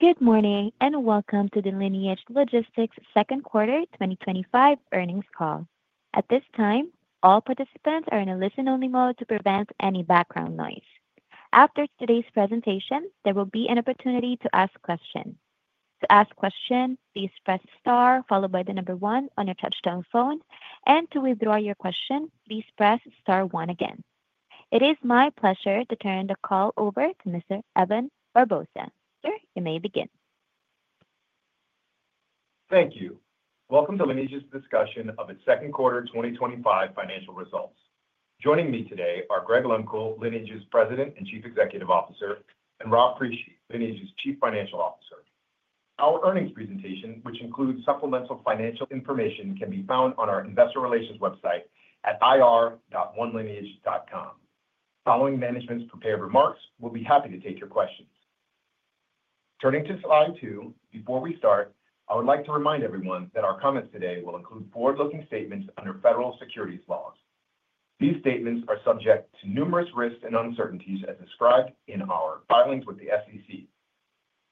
Good morning and welcome to the Lineage Logistics Second Quarter 2025 Earnings Call. At this time, all participants are in a listen-only mode to prevent any background noise. After today's presentation, there will be an opportunity to ask questions. To ask a question, please press star followed by the number one on your touch-tone phone. To withdraw your question, please press star one. It is my pleasure to turn the call over to Mr. Evan Barbosa. Sir, you may begin. Thank you. Welcome to Lineage's discussion of its Second Quarter 2025 Financial Results. Joining me today are Greg Lehmkuhl, Lineage's President and Chief Executive Officer, and Robert Crisci, Lineage's Chief Financial Officer. Our earnings presentation, which includes supplemental financial information, can be found on our investor relations website at ir.lineagelogistics.com. Following management's prepared remarks, we'll be happy to take your questions. Turning to Slide two, before we start, I would like to remind everyone that our comments today will include forward-looking statements. Under federal securities laws, these statements are subject to numerous risks and uncertainties as described in our filings with the SEC.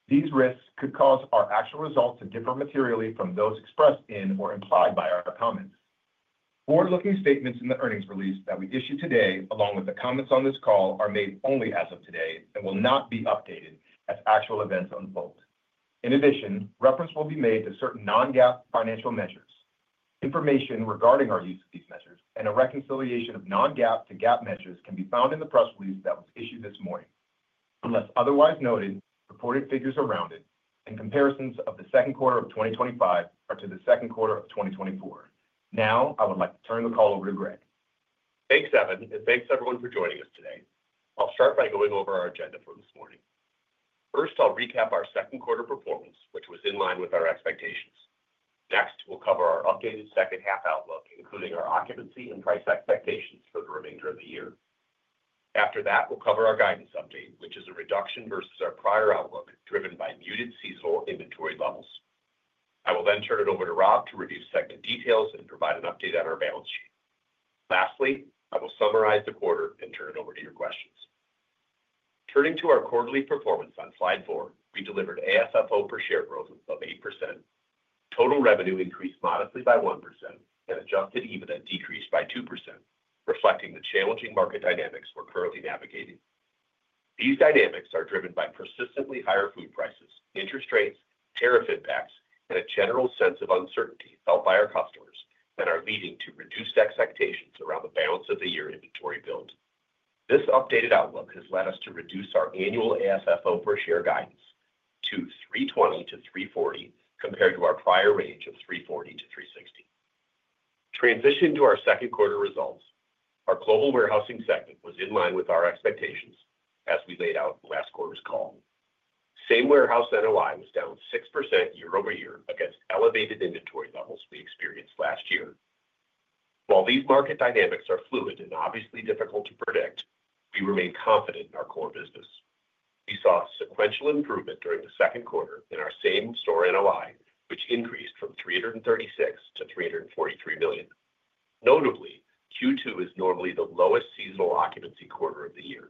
These risks could cause our actual results to differ materially from those expressed in or implied by our comments. Forward-looking statements in the earnings release that we issue today along with the comments on this call are made only as of today and will not be updated as actual events unfold. In addition, reference will be made to certain non-GAAP financial measures. Information regarding our use of these measures and a reconciliation of non-GAAP to GAAP measures can be found in the press release that was issued this morning. Unless otherwise noted, reported figures are rounded and comparisons are of the second quarter of 2025 to the second quarter of 2024. Now I would like to turn the call over to Greg. Thanks, Evan. And thanks everyone for joining us today. I'll start by going over our agenda for this morning. First, I'll recap our second quarter performance, which was in line with our expectations. Next, we'll cover our updated second half outlook, including our occupancy and price expectations for the remainder of the year. After that, we'll cover our guidance update, which is a reduction versus our prior outlook driven by muted seasonal inventory levels. I will then turn it over to Rob to review segment details and provide an update on our balance sheet. Lastly, I will summarize the quarter and turn it over to your questions. Turning to our quarterly performance on Slide four, we delivered AFFO per share growth of 8%, total revenue increased modestly by 1%, and adjusted EBITDA decreased by 2%. Reflecting the challenging market dynamics we're currently navigating, these dynamics are driven by persistently higher food prices, interest rates, tariff impacts, and a general sense of uncertainty felt by our customers that are leading to reduced expectations around the balance of the year inventory build. This updated outlook has led us to reduce our annual AFFO per share guidance to $3.20-$3.40 compared to our prior range of $3.40-$3.60. Transition to our second quarter results, our global warehousing segment was in line with our expectations as we laid out last quarter's call. Same warehouse NOI was down 6% year-over-year against elevated inventory levels we experienced last year. While these market dynamics are fluid and obviously difficult to predict, we remain confident in our core business. We saw sequential improvement during the second quarter in our same store NOI, which increased from $336 million-$343 million. Notably, Q2 is normally the lowest seasonal occupancy quarter of the year.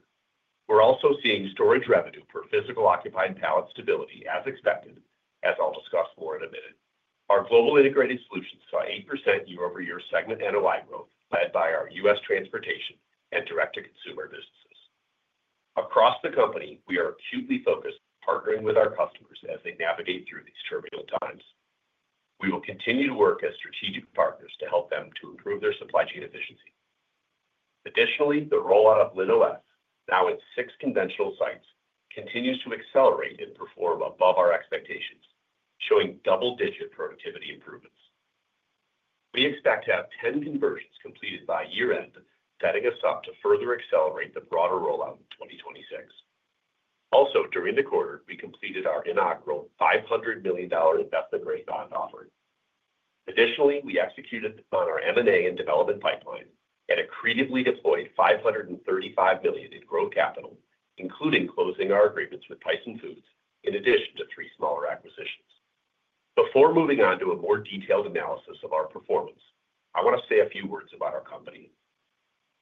We're also seeing storage revenue per physical occupying pallet stability as expected, as I'll discuss more in a minute. Our Global Integrated Solutions saw 8% year-over-year segment NOI growth led by our US transportation and direct to consumer businesses across the company. We are acutely focused partnering with our customers as they navigate through these turbulent times. We will continue to work as strategic partners to help them to improve their supply chain efficiency. Additionally, the rollout of LinOS, now at six conventional sites, continues to accelerate and perform above our expectations, showing double digit productivity improvements. We expect to have 10 conversions completed by year end, setting us up to further accelerate the broader rollout in 2026. Also during the quarter, we completed our inaugural $500 million investment grade bond offering. Additionally, we executed on our M&A and development pipeline and accretively deployed $535 million in growth capital, including closing our agreements with Tyson Foods in addition to three smaller acquisitions. Before moving on to a more detailed analysis of our performance, I want to say a few words about our company.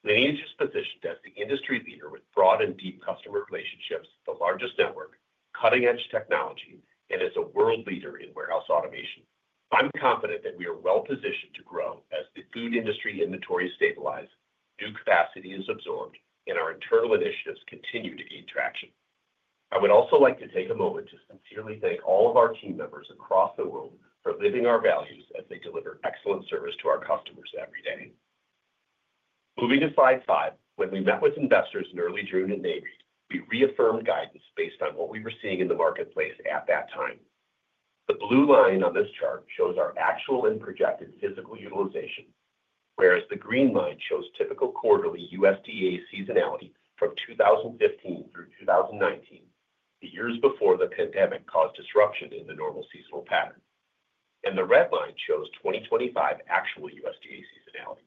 Lineage is positioned as the industry leader with broad and deep customer relationships, the largest network, cutting edge technology, and as a world leader in warehouse automation. I'm confident that we are well positioned to grow as the food industry inventory stabilizes, new capacity is absorbed, and our internal initiatives continue to gain traction. I would also like to take a moment to sincerely thank all of our team members across the world for living our values as they deliver excellent service to our customers every day. Moving to Slide five, when we met with investors in early June at Navy, we reaffirmed guidance based on what we were seeing in the marketplace at that time. The blue line on this chart shows our actual and projected physical utilization, whereas the green line shows typical quarterly USDA seasonality from 2015 through 2019, the years before the pandemic caused disruption in the normal seasonal pattern, and the red line shows 2025 actual USDA seasonality.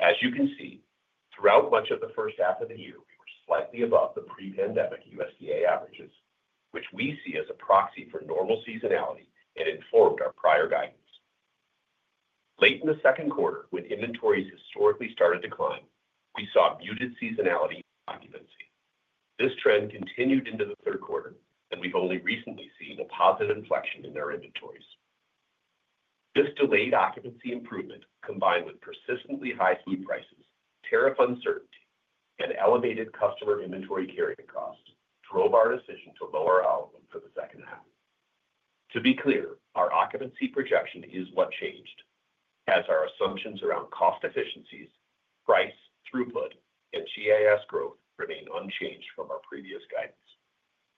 As you can see, throughout much of the first half of the year we were likely above the pre-pandemic USDA averages, which we see as a proxy for normal seasonality and informed our prior guidance. Late in the second quarter, when inventories historically start to decline, we saw muted seasonality occupancy. This trend continued into the third quarter, and we've only recently seen a positive inflection in their inventories. This delayed occupancy improvement, combined with persistently high food prices, tariff uncertainty, and elevated customer inventory carry costs, drove our decision to lower outlook for the second half. To be clear, our occupancy projection is what changed, as our assumptions around cost efficiencies, price throughput, and GIS growth remain unchanged from our previous guidance.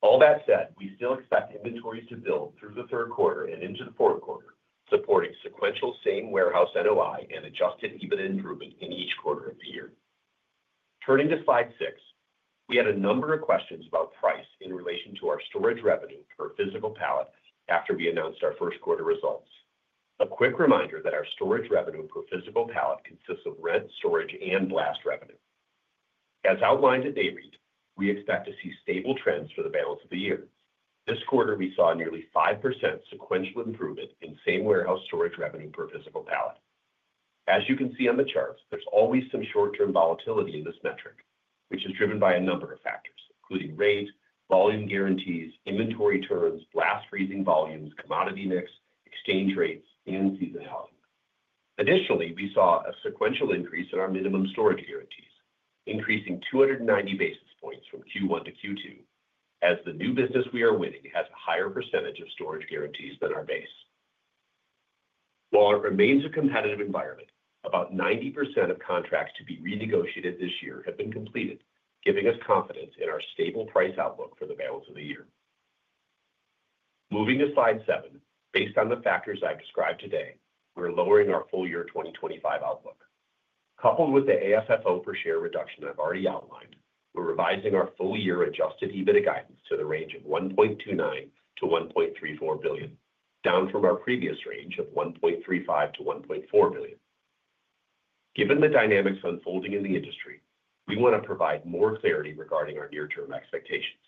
All that said, we still expect inventories to build through the third quarter and into the fourth quarter, supporting sequential same warehouse NOI and adjusted EBITDA improvement in each quarter of the year. Turning to Slide six, we had a number of questions about price in relation to our storage revenue per physical pallet. After we announced our First Quarter results, a quick reminder that our storage revenue per physical pallet consists of rent, storage, and blast revenue. As outlined in Baird, we expect to see stable trends for the balance of the year. This quarter, we saw nearly 5% sequential improvement in same warehouse storage revenue per physical pallet. As you can see on the charts, there's always some short-term volatility in this metric, which is driven by a number of factors including rate, volume guarantees, inventory turns, last freezing volumes, commodity mix, exchange rates, and we see the volume. Additionally, we saw a sequential increase in our minimum storage guarantees, increasing 290 basis points from Q1 to Q2 as the new business we are winning has a higher percentage of storage guarantees than our base. While it remains a competitive environment, about 90% of contracts to be renegotiated this year have been completed, giving us confidence in our stable price outlook for the balance of the year. Moving to slide seven, based on the factors I described today, we're lowering our full-year 2025 outlook. Coupled with the AFFO per share reduction I've already outlined, we're revising our full-year adjusted EBITDA guidance to the range of $1.29 million-$1.34 billion, down from our previous range of $1.35 million-$1.4 billion. Given the dynamics unfolding in the industry, we want to provide more clarity regarding our near-term expectations,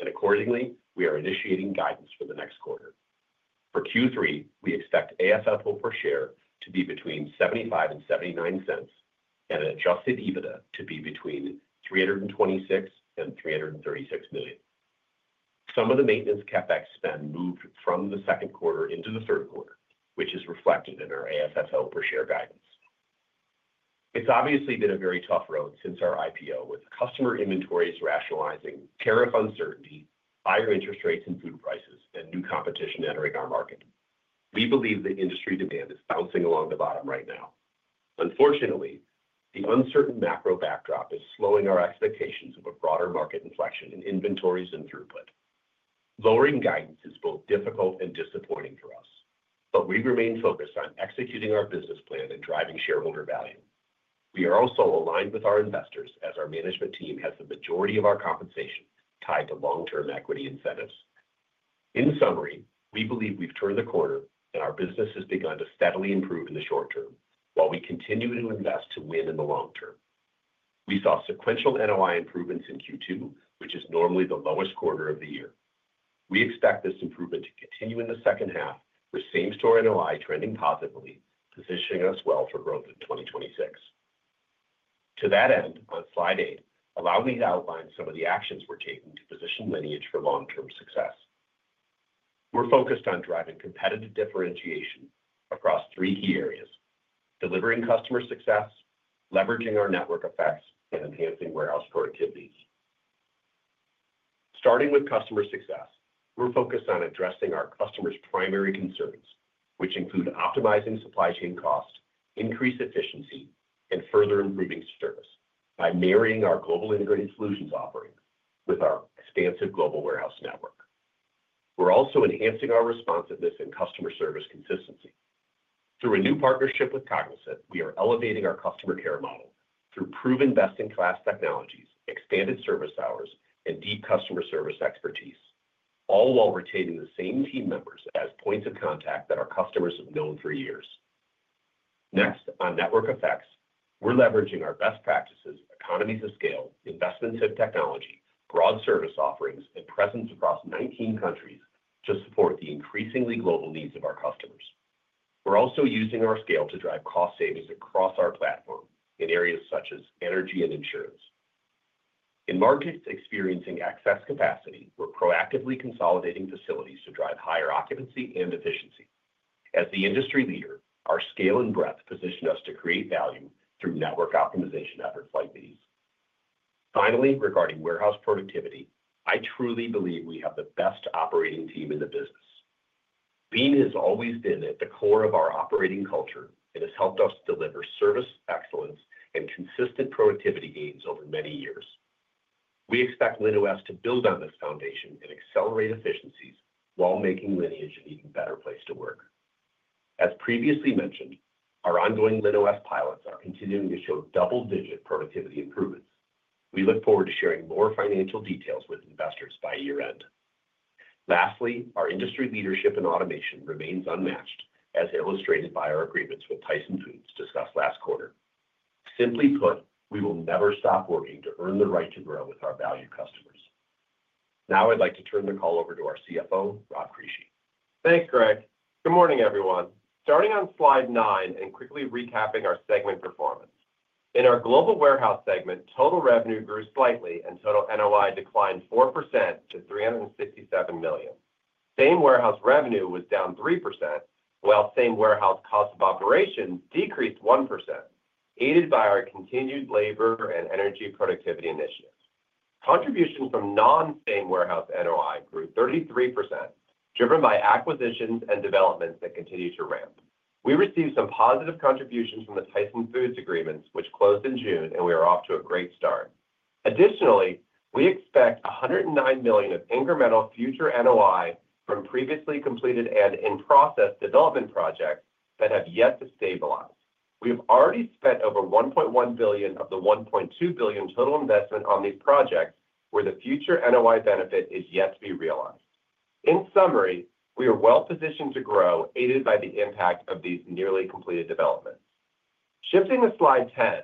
and accordingly we are initiating guidance for the next quarter. For Q3, we expect AFFO per share to be between $0.75 and $0.79 and adjusted EBITDA to be between $326 million and $336 million. Some of the maintenance CapEx spend moved from the second quarter into the third quarter, which is reflected in our AFFO per share guidance. It's obviously been a very tough road since our IPO. With customer inventories rationalizing, tariff uncertainty, higher interest rates and food prices, and new competition entering our market, we believe the industry demand is bouncing along the bottom right now. Unfortunately, the uncertain macro backdrop is slowing our expectations of a broader market inflection in inventories and throughput. Lowering guidance is both difficult and disappointing for us, but we remain focused on executing our business plan and driving shareholder value. We are also aligned with our investors as our management team has the majority of our compensation tied to long-term equity incentives. In summary, we believe we've turned the corner and our business has begun to steadily improve in the short term while we continue to invest to win in the long term. We saw sequential NOI improvements in Q2, which is normally the lowest quarter of the year. We expect this improvement to continue in the second half, with same-store NOI trending positively, positioning us well for growth in 2026. To that end, with slide eight, allow me to outline some of the actions we're taking to position Lineage for long term success. We're focused on driving competitive differentiation across three key areas: delivering customer success, leveraging our network effects, and enhancing warehouse productivity. Starting with customer success, we're focused on addressing our customers' primary concerns, which include optimizing supply chain cost, increasing efficiency, and further improving service. By marrying our Global Integrated Solutions offering with our expansive global warehouse network, we're also enhancing our responsiveness and customer service consistency. Through a new partnership with Cognizant, we are elevating our customer care model through proven best-in-class technologies, expanded service hours, and deep customer service expertise, all while retaining the same team members as points of contact that our customers have known for years. Next, on network effects, we're leveraging our best practices, economies of scale, investments in technology, broad service offerings, and presence across 19 countries to support the increasingly global needs of our customers. We're also using our scale to drive cost savings across our platform in areas such as energy and insurance. In markets experiencing excess capacity, we're proactively consolidating facilities to drive higher occupancy and efficiency. As the industry leader, our scale and breadth position us to create value through network optimization efforts like these. Finally, regarding warehouse productivity, I truly believe we have the best operating team in the business. Lean has always been at the core of our operating culture. It has helped us deliver service excellence and consistent productivity gains over many years. We expect LinOS to build on this foundation and accelerate efficiencies while making Lineage an even better place to work. As previously mentioned, our ongoing LinOS pilots are continuing to show double-digit productivity improvement. We look forward to sharing more financial details with investors by year end. Lastly, our industry leadership in automation remains unmatched as illustrated by our agreements with Tyson Foods discussed last quarter. Simply put, we will never stop working to earn the right to grow with our valued customers. Now I'd like to turn the call over to our CFO, Robert Crisci. Thanks Greg. Good morning everyone. Starting on slide nine and quickly recapping our segment performance in our Global Warehouse segment, total revenue grew slightly and total NOI declined 4% to $367 million. Same warehouse revenue was down 3% while same warehouse cost of operation decreased 1%, aided by our continued labor and energy productivity initiatives. Contribution from non-same warehouse NOI grew 33%, driven by acquisitions and developments that continue to ramp. We received some positive contributions from the Tyson Foods agreements which closed in June, and we are off to a great start. Additionally, we expect $109 million of incremental future NOI from previously completed and in-process development projects that have yet to stabilize. We have already spent over $1.1 billion of the $1.2 billion total investment on these projects where the future NOI benefit is yet to be realized. In summary, we are well positioned to grow, aided by the impact of these nearly completed developments. Shifting to slide 10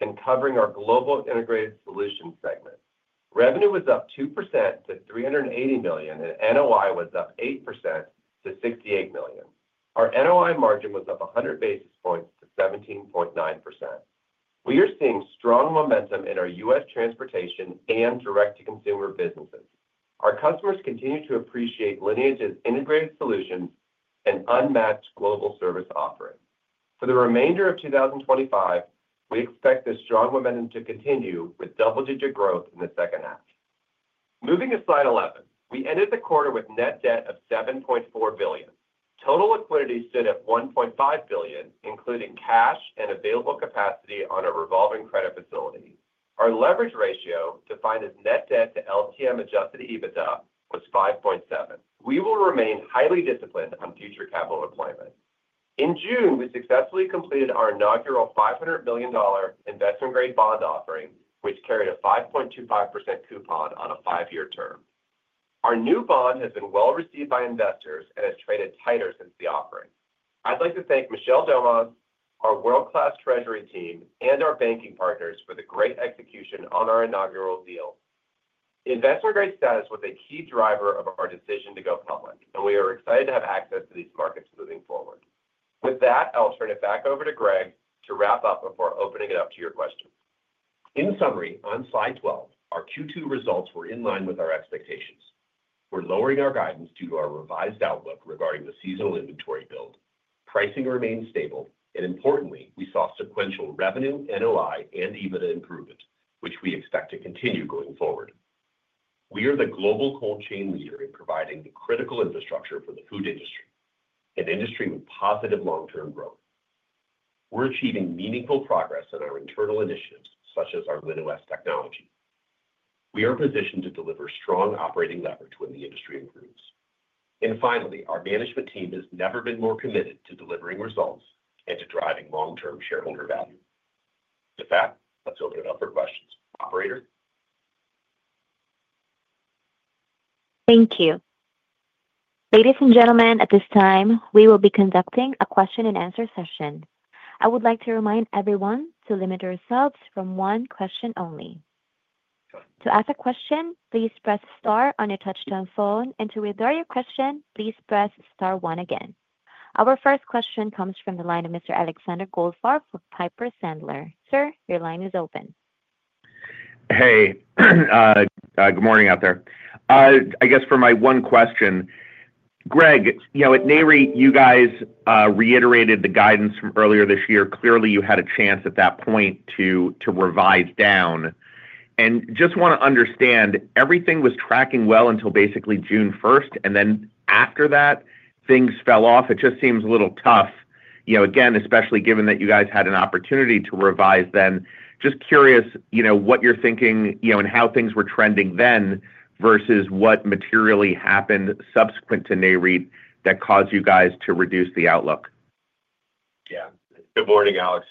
and covering our Global Integrated Solutions segment, revenue was up 2% to $380 million and NOI was up 8% to $68 million. Our NOI margin was up 100 basis points to 17.9%. We are seeing strong momentum in our U.S. transportation and direct-to-consumer businesses. Our customers continue to appreciate Lineage's integrated solution and unmatched global service offering. For the remainder of 2025, we expect this strong momentum to continue with double-digit growth in the second half. Moving to slide 11, we ended the quarter with net debt of $7.4 billion. Total liquidity stood at $1.5 billion, including cash and available capacity on a revolving credit facility. Our leverage ratio, defined as net debt to LTM adjusted EBITDA, was 5.7. We will remain highly disciplined on future capital deployment. In June, we successfully completed our inaugural $500 million investment grade bond offering, which carried a 5.25% coupon on a five-year term. Our new bond has been well received by investors and has traded tighter since the offering. I'd like to thank Rochelle Domas, our world-class treasury team, and our banking partners for the great execution on our inaugural deal. The investment grade status was a key driver of our decision to go public, and we are excited to have access to these markets. Moving forward with that, I'll turn it back over to Greg to wrap up before opening it up to your questions. In summary, on slide 12, our Q2 results were in line with our expectations. We're lowering our guidance due to our revised outlook regarding the seasonal inventory build. Pricing remains stable, and importantly, we saw sequential revenue, NOI, and adjusted EBITDA improvement, which we expect to continue going forward. We are the global cold chain leader in providing the critical infrastructure for the food industry, an industry with positive long-term growth. We're achieving meaningful progress in our internal initiatives such as our LinOS technology. We are positioned to deliver strong operating leverage when the industry improves. Our management team has never been more committed to delivering results and to driving long-term shareholder value. With that, let's open it up for questions. Operator. Thank you. Ladies and gentlemen, at this time we will be conducting a question and answer session. I would like to remind everyone to limit ourselves to one question only. To ask a question, please press star on your touch tone phone, and to withdraw your question, please press star one. Again, our first question comes from the line of Mr. Alexander Goldfarb with Piper Sandler. Sir, your line is open. Hey, good morning out there. I guess for my one question Greg, at NAREIT you guys reiterated the guidance from earlier this year. Clearly you had a chance at that point to revise down and just want to understand. Everything was tracking well until basically June 1st and then after that things fell off. It just seems a little tough, especially given that you guys had an opportunity to revise then. Just curious what you're thinking, and how things were trending then versus what materially happened subsequent to NAREIT that caused you guys to reduce the outlook. Yeah, good morning Alex.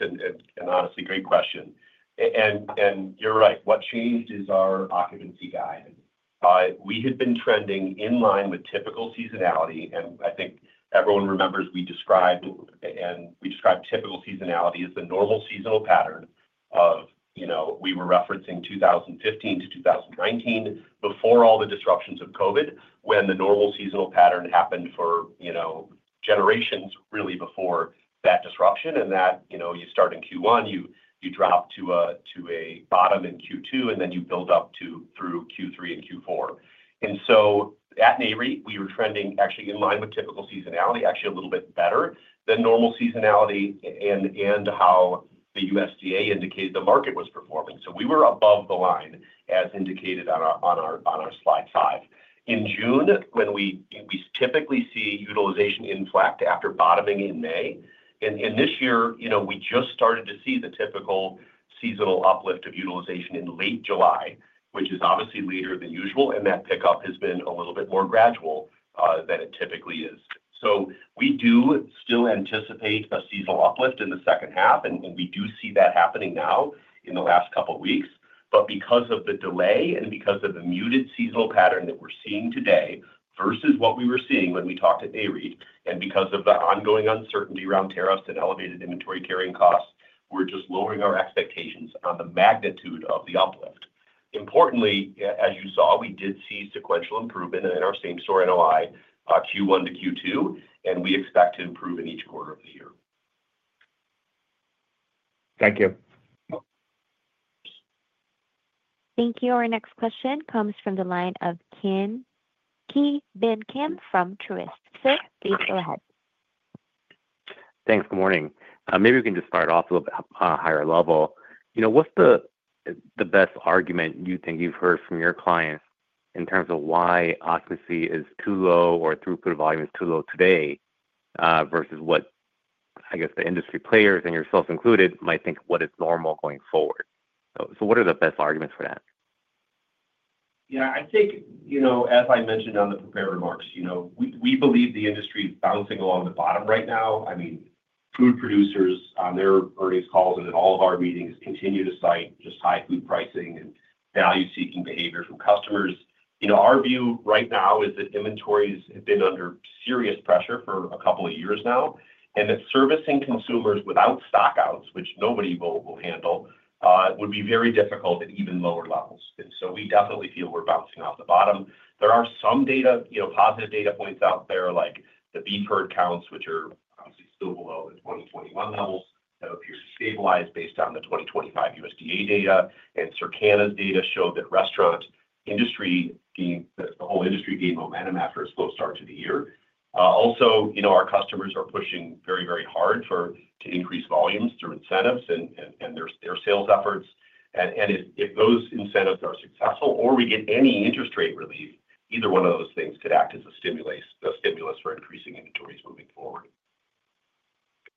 Honestly, great question and you're right. What changed is our occupancy guide. We had been trending in line with typical seasonality. I think everyone remembers we described, and we described typical seasonality as the normal seasonal pattern of, we were referencing 2015 to 2019 before all the disruptions of COVID when the normal seasonal pattern happened for generations before that disruption and that, you start in Q1, you drop to a bottom in Q2 and then you build up through Q3 and Q4. At NAREIT we were trending actually in line with typical seasonality, actually a little bit better than normal seasonality and how the USDA indicated the market was performing. We were above the line as indicated on our slide five in June when we typically see utilization inflect after bottoming in May. This year we just started to see the typical seasonal uplift of utilization in late July, which is obviously later than usual. That pickup has been a little bit more gradual than it typically is. We do still anticipate a seasonal uplift in the second half and we do see that happening now in the last couple of weeks. Because of the delay and because of the muted seasonal pattern that we're seeing today versus what we were seeing when we talked at NAREIT and because of the ongoing uncertainty around tariffs and elevated inventory carrying costs, we're just lowering our expectations on the magnitude of the uplift. Importantly, as you saw, we did see sequential improvement in our Same Store NOI Q1 to Q2 and we expect to improve in each quarter of the year. Thank you. Thank you. Our next question comes from the line of Ki Bin Kim from Truist. Sir, please go ahead. Thanks. Good morning. Maybe we can just start off a little bit on a higher level. What's the best argument you think you've heard from your clients in terms of why occupancy is too low or throughput volume is too low today versus what, I guess, the industry players and yourself included might think is normal going forward? What are the best arguments for that? Yeah, I think, as I mentioned on the prepared remarks, we believe the industry is bouncing along the bottom right now. Food producers on their earnings calls and at all of our meetings continue to cite just high food pricing and value-seeking behavior from customers. Our view right now is that inventories have been under serious pressure for a couple of years now and that servicing consumers without stock outs, which nobody will handle, would be very difficult at even lower levels. We definitely feel we're bouncing off the bottom. There are some positive data points out there, like the beef herd counts, which are still below 2021 levels. If you stabilize based on the 2025 USDA data, and Circana's data showed that the restaurant industry, being the whole industry, gained momentum after a slow start to the year. Also, our customers are pushing very, very hard to increase volumes through incentives and their sales efforts. If those incentives are successful or we get any interest rate relief, either one of those things could act as a stimulus for increasing inventories moving forward.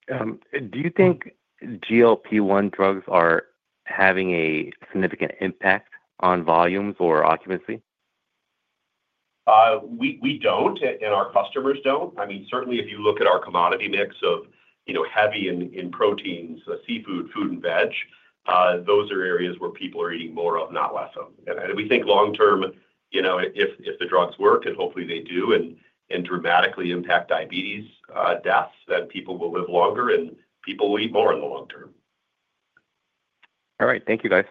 Do you think GLP-1 drugs are having a significant impact on volumes or occupancy? We don't, and our customers don't. Certainly, if you look at our commodity mix of heavy in proteins, seafood, food, and veg, those are areas where people are eating more of, not less of. We think long term, if the drugs work, and hopefully they do and dramatically impact diabetes deaths, then people will live longer and people will eat more in the long term. All right, thank you, guys.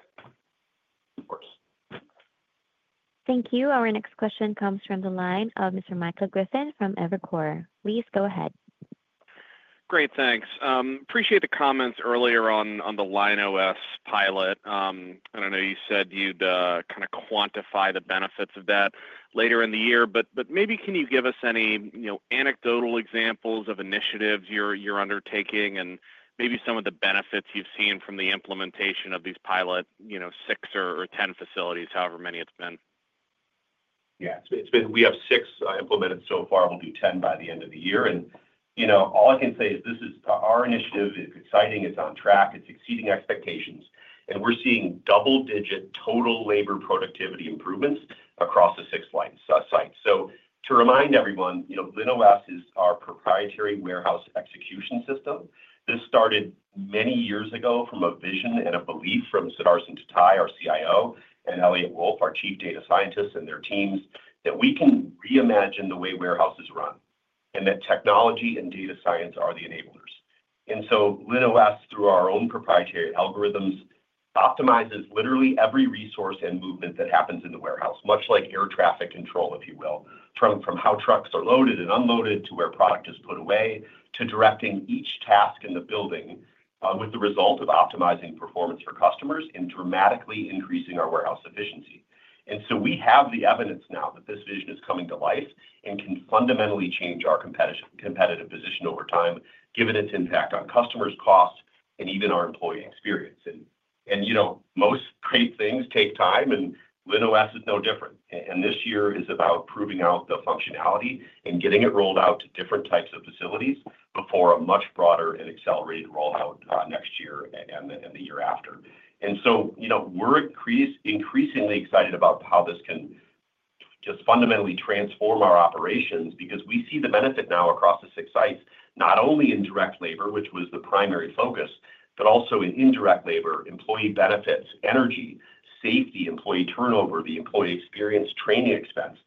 Thank you. Our next question comes from the line of Mr. Michael Griffin from Evercore. Please go ahead. Great, thanks. Appreciate the comments earlier on the LinOS pilot, and I know you said you'd kind of quantify the benefits of that later in the year, but maybe can you give us any anecdotal examples of initiatives you're undertaking and maybe some of the benefits you've seen from the implementation of these pilots, you know, six or 10 facilities, however many it's been? We have six implemented so far. We'll do 10 by the end of the year. All I can say is this is our initiative, it's exciting, it's on track, it's exceeding expectations, and we're seeing double-digit total labor productivity improvements across the six LinOS sites. To remind everyone, LinOS is our proprietary warehouse execution system. This started many years ago from a vision and a belief from Siddharth and Tatay, our CIO, and Elliot Wolf, our Chief Data Scientist, and their teams that we can reimagine the way warehouses run and that technology and data science are the enablers. LinOS, through our own proprietary algorithms, optimizes literally every resource and movement that happens in the warehouse, much like air traffic control, if you will, from how trucks are loaded and unloaded to where product is put away to directing each task in the building with the result of optimizing performance for customers and dramatically increasing our warehouse efficiency. We have the evidence now that this vision is coming to life and can fundamentally change our competitive position over time, given its impact on customers, cost, and even our employee experience. Most great things take time and LinOS is no different. This year it is about proving out the functionality and getting it rolled out to different types of facilities before a much broader and accelerated rollout next year and then in the year after. We're increasingly excited about how this can just fundamentally transform our operations because we see the benefit now across the six sites, not only in direct labor, which was the primary focus, but also in indirect labor, employee benefits, energy, safety, employee turnover, the employee experience, training expense.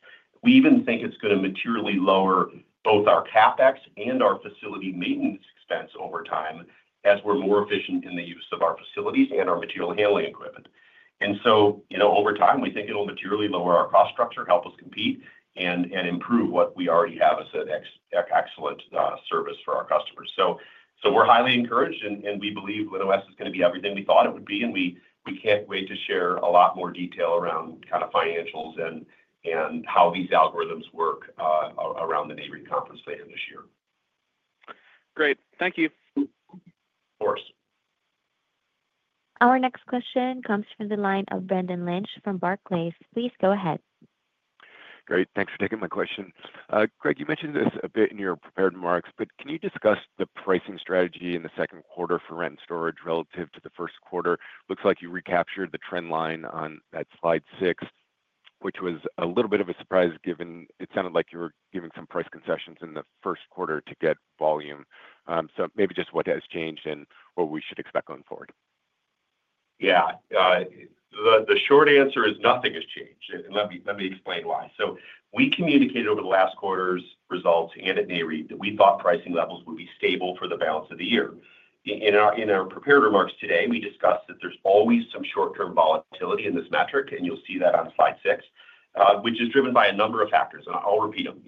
We even think it's going to materially lower both our CapEx and our facility maintenance expense over time as we're more efficient in the use of our facilities and our material handling equipment. Over time we think it'll materially lower our cost structure, help us compete, and improve what we already have as an excellent service for our customers. We're highly encouraged and we believe LinOS is going to be everything we thought it would be. We can't wait to share a lot more detail around kind of financials and how these algorithms work around the neighboring conference plan this year. Great, thank you, Horace. Our next question comes from the line of Brendan Lynch from Barclays. Please go ahead. Great. Thanks for taking my question. Greg, you mentioned this a bit in your prepared remarks, but can you discuss the pricing strategy in the second quarter for rent and storage relative to the First Quarter? Looks like you recaptured the trend line on that slide six, which was a little bit of a surprise given it sounded like you were giving some price concessions in the First Quarter to get volume. Maybe just what has changed and what we should expect going forward. Yeah, the short answer is nothing has changed. Let me explain why. We communicated over the last quarter's results and at NAREIT that we thought pricing levels would be stable for the balance of the year. In our prepared remarks today, we discussed that there's always some short-term volatility in this metric. You'll see that on slide six, which is driven by a number of factors, and I'll repeat them.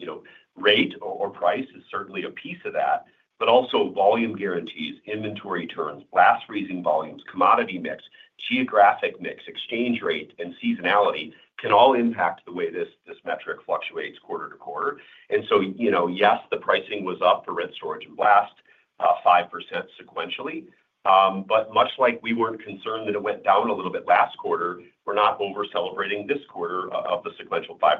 Rate or price is certainly a piece of that, but also volume guarantees, inventory turns, blast freezing volumes, commodity mix, geographic mix, exchange rate, and seasonality can all impact the way this metric fluctuates quarter to quarter. Yes, the pricing was up for rent, storage, and blast 5% sequentially. Much like we weren't concerned that it went down a little bit last quarter, we're not over celebrating this quarter of the sequential 5%.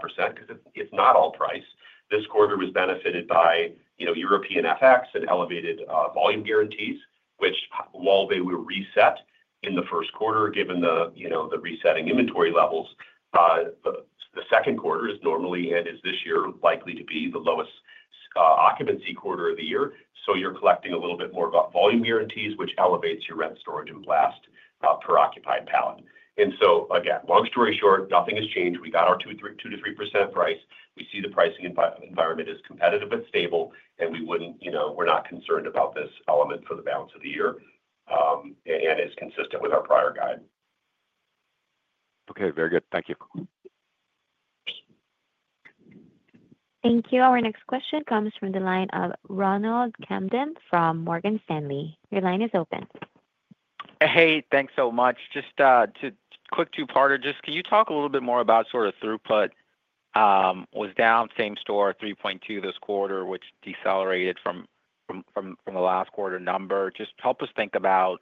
It's not all price. This quarter was benefited by European FX and elevated volume guarantees, which, while they will reset in the First Quarter given the resetting inventory levels, the second quarter is normally and is this year likely to be the lowest occupancy quarter of the year. You're collecting a little bit more volume guarantees, which elevates your rent, storage, and blast per occupied town. Again, long story short, nothing has changed. We got our 2%-3% price. We see the pricing environment is competitive but stable, and we're not concerned about this element for the balance of the year and is consistent with our prior guide. Okay, very good, thank you. Thank you. Our next question comes from the line of Ronald Kamdem from Morgan Stanley. Your line is open. Hey, thanks so much. Just a quick two-parter. Just can you talk a little bit more about sort of throughput was down same store 3.2% this quarter, which decelerated from the last quarter number. Just help us think about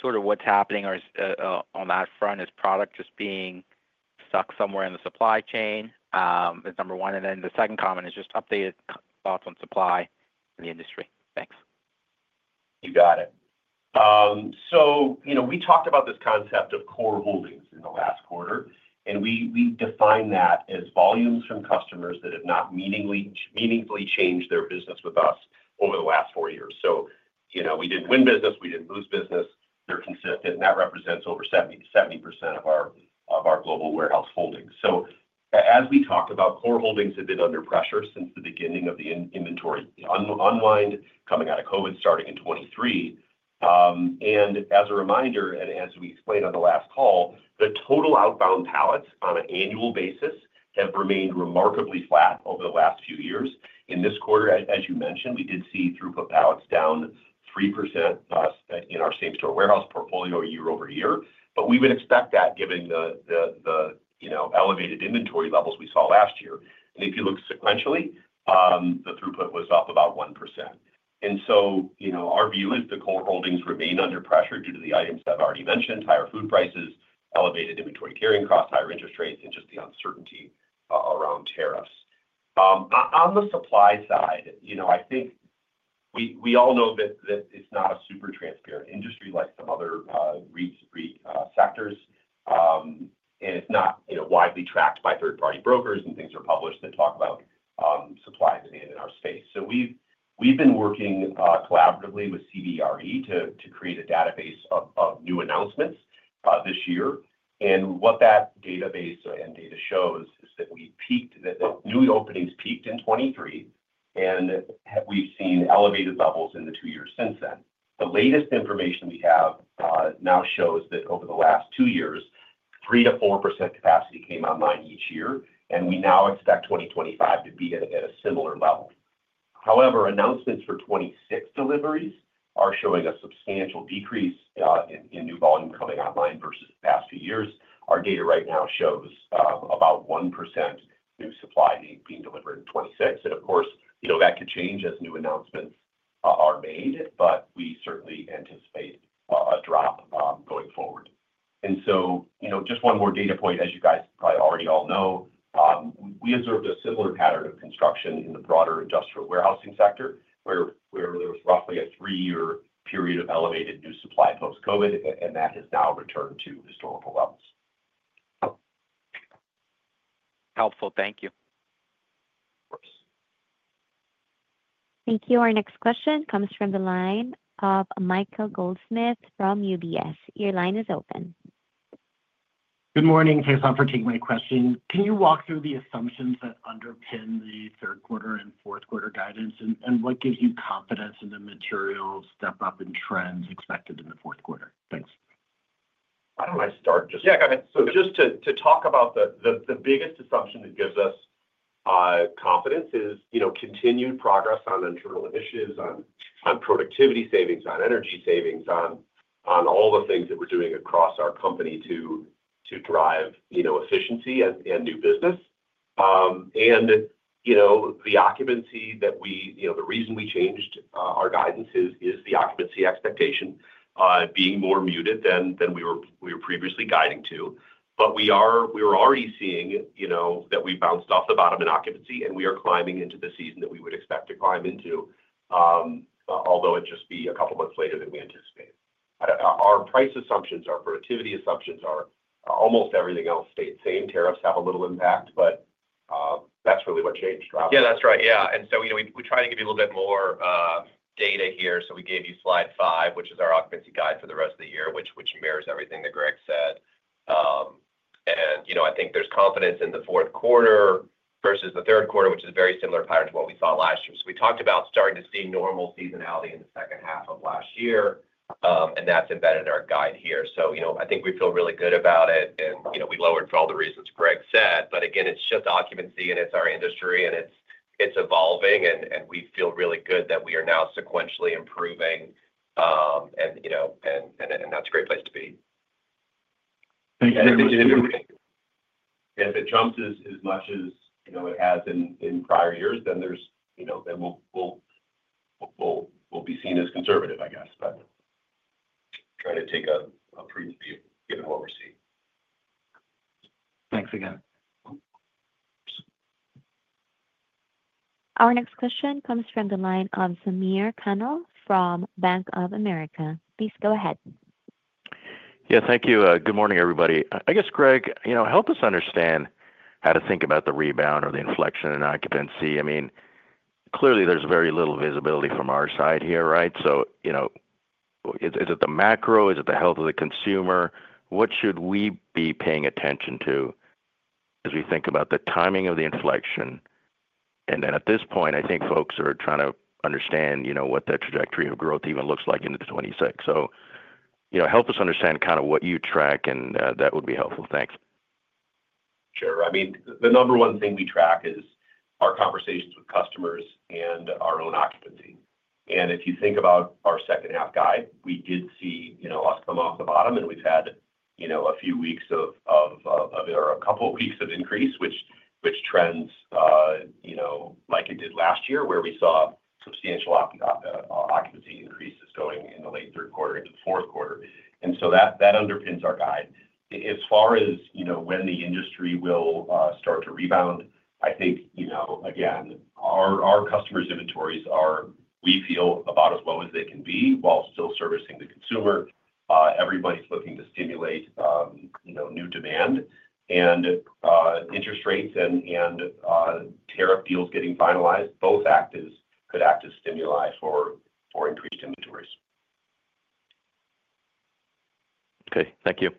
sort of what's happening on that front. Is product just being stuck somewhere in the supply chain is number one. The second comment is just updated thoughts on supply in the industry. Thanks. You got it. We talked about this concept of core holdings in the last quarter, and we define that as volumes from customers that have not meaningfully changed their business with us over the last four years. We didn't win business, we didn't lose business. They're consistent, and that represents over 70% of our global warehouse holdings. As we talk about core holdings, they have been under pressure since the beginning of the inventory unwind coming out of COVID starting in 2023. As a reminder, and as we explained on the last call, the total outbound pallets on an annual basis have remained remarkably flat over the last few years. In this quarter, as you mentioned, we did see throughput pallets down 3% in our same store warehouse portfolio year-over-year, but we would expect that given the elevated inventory levels we saw last year. If you look sequentially, the throughput was up about 1%. Our view is the core holdings remain under pressure due to the items that I've already mentioned: higher food prices, elevated inventory carrying costs, higher interest rates, and just the uncertainty around tariffs on the supply side. I think we all know that it's not a super transparent industry like some other REIT sectors, and it's not widely tracked by third party brokers. Things are published that talk about supply demand in our space. We've been working collaboratively with CBRE to create a database of new announcements this year. What that database and data shows is that we peaked, that the new openings peaked in 2023, and we've seen elevated bubbles in the two years since then. The latest information we have now shows that over the last two years, 3% to 4% capacity came online each year, and we now expect 2025 to be at a similar level. However, announcements for 2026 deliveries are showing a substantial decrease in new volume coming online for the past few years. Our data right now shows about 1% new supply being delivered in 2026. Of course, you know, that could change as new announcements are made, but we certainly anticipate a drop going forward. Just one more data point. As you guys probably already all know, we observed a similar pattern of construction in the broader industrial warehousing sector where there was roughly a three-year period of elevated new supply Post-COVID, and that has now returned to historical lows. Helpful. Thank you. Thank you. Our next question comes from the line of Michael Goldsmith from UBS. Your line is open. Good morning. Thanks a lot for taking my question. Can you walk through the assumptions that underpin the third quarter and fourth quarter guidance and what gives you confidence in the material step up in trends expected in the fourth quarter? Thanks. Why don't I start. Yeah, so just to talk about, the biggest assumption that gives us confidence is continued progress on internal initiatives, on productivity savings, on energy savings, on all the things that we're doing across our company to drive efficiency and new business and the occupancy that we, the reason we changed our guidance is the occupancy expectation being more muted than we were previously guiding to. We were already seeing that we bounced off the bottom in occupancy and we are climbing into the season that we would expect to climb into, although it just be a couple months later than we anticipate. Our price assumptions, our productivity assumptions, almost everything else stays the same. Tariffs have a little impact, but that's really what changed throughout the year. Yeah, that's right. We try to give you a little bit more data here. We gave you slide five, which is our occupancy guide for the rest of the year, which mirrors everything that Greg said. I think there's confidence in the fourth quarter versus the third quarter, which is very similar patterns to what we saw last year. We talked about starting to see normal seasonality in the second half of last year, and that's embedded in our guide here. I think we feel really good about it and we lowered for all the reasons Greg said. Again, it's just occupancy and it's our industry and it's evolving and we feel really good that we are now sequentially improving. That's a great place to be. If it jumps as much as it has in prior years, then we'll be seen as conservative, I guess, but trying to take a previous view, get whoever's seen. Thanks again. Our next question comes from the line of Samir Khanal from Bank of America. Please go ahead. Yeah, thank you. Good morning, everybody. I guess, Greg, help us understand how to think about the rebound or the inflection in occupancy. Clearly there's very little visibility from our side here. Right. Is it the macro? Is it the health of the consumer? What should we be paying attention to as we think about the timing of the inflection? At this point, I think folks are trying to understand what the trajectory of growth even looks like into 2026. Help us understand kind of what you track and that would be helpful, thanks. Sure. The number one thing we track is our conversations with customers and our own occupancy. If you think about our second half guide, we did see us come off the bottom and we've had a few weeks of, a couple weeks of increase, which trends like it did last year where we saw substantial occupancy increases going in the late third quarter into the fourth quarter. That underpins our guide as far as when the industry will start to rebound. I think, again, our customers' inventories are, we feel, about as well as they can be while still servicing the consumer. Everybody's looking to stimulate new demand and interest rates and tariff deals getting finalized both could act as stimuli for increased inventories. Okay, thank you.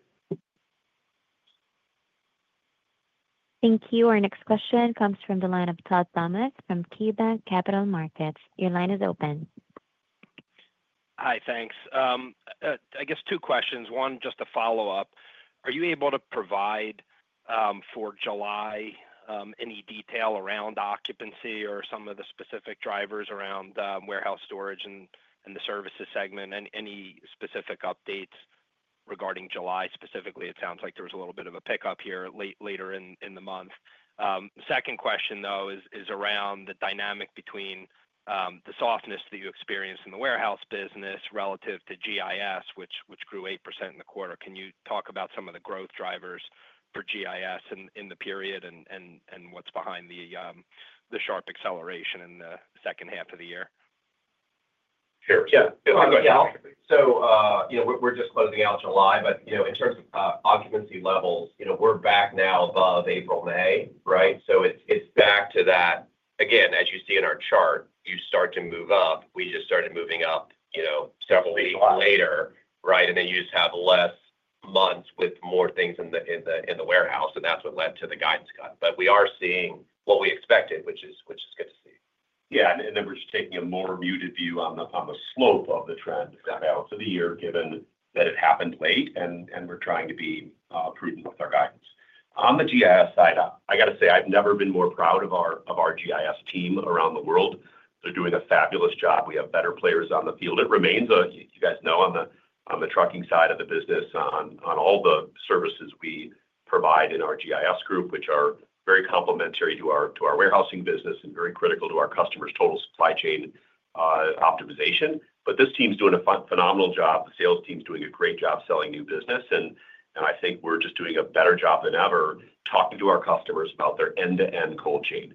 Thank you. Our next question comes from the line of Todd Thomas from KeyBanc Capital Markets. Your line is open. Hi. Thanks. I guess. Two questions. One, just a follow up. Are you able to provide for July any detail around occupancy or some of the specific drivers around warehouse storage and the services segment and any specific updates regarding July specifically? It sounds like there was a little bit of a pickup here later in the month. Second question is around the dynamic between the softness that you experienced in the warehouse business relative to GIS, which grew 8% in the quarter. Can you talk about some of the growth drivers for GIS in the period and what's behind the sharp acceleration in the second half of the year? Sure, yeah. We're just closing out July, but in terms of occupancy levels, we're back now above April, maybe. Right. So it's back to that again. As you see in our chart, you start to move up. We just started moving up several weeks later. They used to have less months with more things in the warehouse, and that's what led to the guidance cut. We are seeing what we expected, which is good to see. We're just taking a more muted view on the slope of the trend balance of the year, given that it happened late and we're trying to be prudent with our guidance. On the GIS side, I got to say, I've never been more proud of our GIS team around the world. They're doing a fabulous job. We have better players on the field. It remains, you guys know, on the trucking side of the business, on all the services we provide in our GIS group, which are very complementary to our warehousing business and very critical to our customers' total supply chain optimization. This team's doing a phenomenal job. The sales team's doing a great job selling new business and I think we're just doing a better job than ever talking to our customers about their end to end cold chain.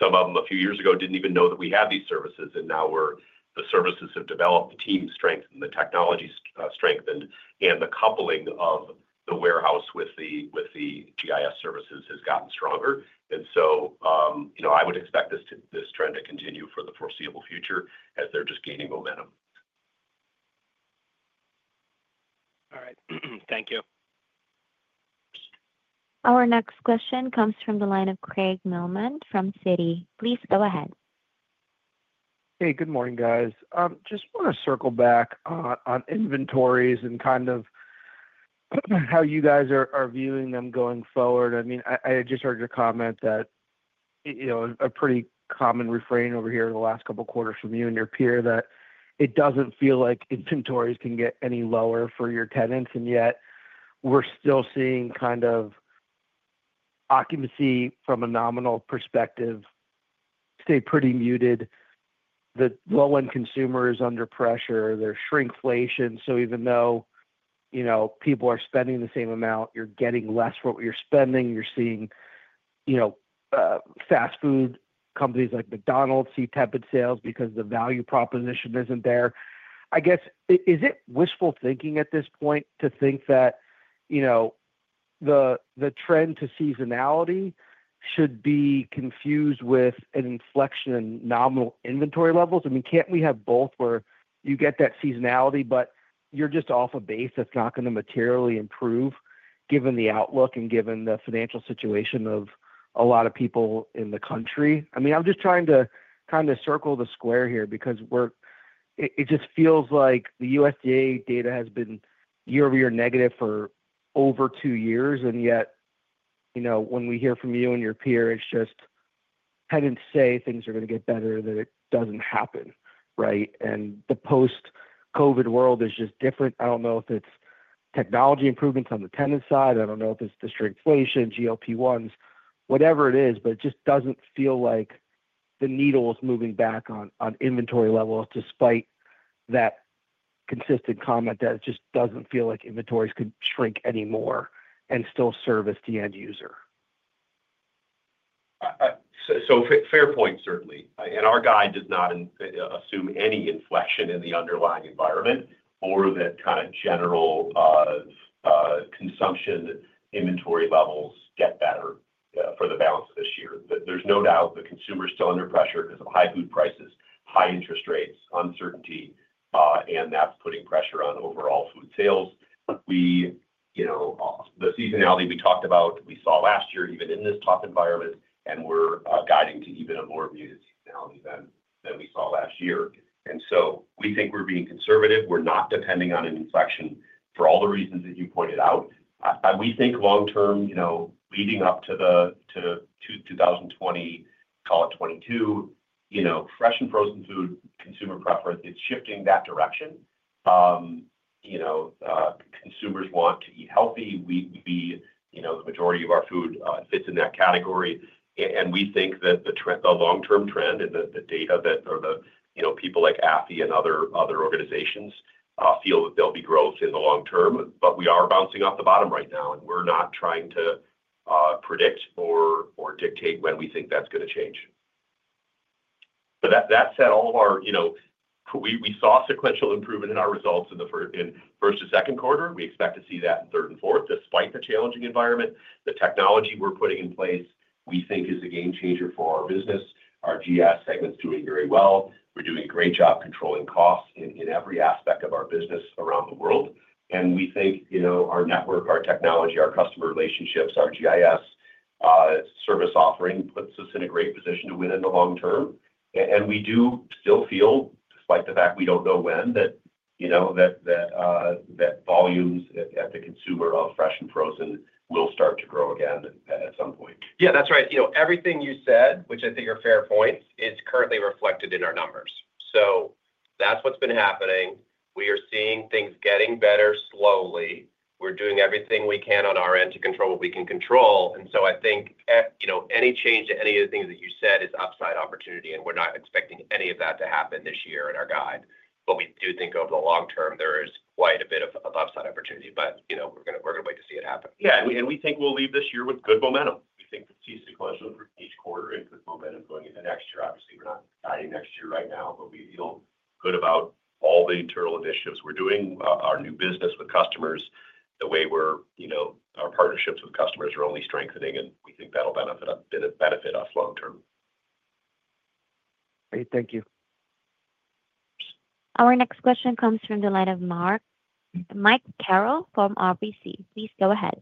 Some of them a few years ago didn't even know that we had these services, and now the services have developed, the team strengthened, the technology strengthened, and the coupling of the warehouse with the GIS services has gotten stronger. I would expect this trend to continue for the foreseeable future as they're just gaining momentum. All right, thank you. Our next question comes from the line of Craig Mailman from Citi. Please go ahead. Hey, good morning, guys. Just want to circle back on inventories and kind of how you guys are viewing them going forward. I mean, I just heard your comment that, you know, a pretty common refrain over here the last couple quarters from you and your peer, that it doesn't feel like inventories can get any lower for your tenants. Yet we're still seeing kind of occupancy from a nominal perspective stay pretty muted. The low end consumer is under pressure. There's shrinkflation. Even though you know people are spending the same amount, you're getting less for what you're spending. You're seeing, you know, fast food companies like McDonald's see tepid sales because the value proposition isn't there. I guess, is it wishful thinking at this point to think that, you know, the trend to seasonality should be confused with an inflection nominal inventory levels? I mean, can't we have both where you get that seasonality but you're just off a base that's not going to materially improve given the outlook and given the financial situation of a lot of people in the country? I mean, I'm just trying to kind of circle the square here because it just feels like the USDA data has been year-over-year negative for over two years. Yet you know, when we hear from you and your peer, it's just hence say things are going to get better that it doesn't happen. Right. The Post-COVID world is just different. I don't know if it's technology improvements on the tenant side, I don't know if it's the straightflation, GLP-1s, whatever it is, but it just doesn't feel like the needle is moving back on inventory level despite that consistent comment that it just doesn't feel like inventories could shrink anymore and still service the end user. Fair point certainly. Our guide does not assume any inflection in the underlying environment or that kind of general consumption that inventory levels get better for the balance of this year. There's no doubt the consumer is still under pressure because of high food prices, high interest rates, uncertainty, and that's putting pressure on overall food sales. The seasonality we talked about, we saw last year even in this top environment and we're guiding to even a more muted technology than we saw last year. We think we're being conservative. We're not depending on an inflection for all the reasons that you pointed out. We think long term, you know, leading up to the 2020, call it 2022, you know, fresh and frozen food, consumer preference, it's shifting that direction. You know, consumers want to eat healthy. We, you know, the majority of our food fits in that category. We think that the long term trend and the data that are, you know, people like AFI and other organizations feel that there'll be growth in the long term. We are bouncing off the bottom right now and we're not trying to predict or dictate when we think that's going to change. That said, we saw sequential improvement in our results in the first, in first to second quarter. We expect to see that in third and fourth. Despite the challenging environment, the technology we're putting in place we think is a game changer for our business. Our GIS segment's doing very well. We're doing a great job controlling costs in every aspect of our business around the world. We think our network, our technology, our customer relationships, our GIS service offering puts us in a great position to win in the long term. We do still feel like the fact we don't know when that, you know, that volumes at the consumer of fresh and frozen will start to grow again at some point. Yeah, that's right. Everything you said, which I think are fair points, is currently reflected in our numbers. That's what's been happening. We are seeing things getting better slowly. We're doing everything we can on our end to control what we can control. I think any change to any of the things that you said is upside opportunity and we're not expecting any of that to happen this year in our guide. We do think over the long term there is quite a bit of upside opportunity. We're going to wait to see it happen. Yeah. We think we'll leave this year with good momentum. We think the TC question each quarter in good momentum going into next year. Obviously we're not guiding next year right now, but we feel good about all the internal initiatives. We're doing our new business with customers, the way we're, our partnerships with customers are only strengthening, and we think that'll benefit us long term. Thank you. Our next question comes from the line of Mike Carroll from RBC. Please go ahead.